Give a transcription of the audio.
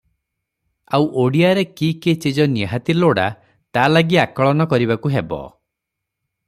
ଆଉ ଓଡ଼ିଆରେ କି କି ଚିଜ ନିହାତି ଲୋଡ଼ା ତା' ଲାଗି ଆକଳନ କରିବାକୁ ହେବ ।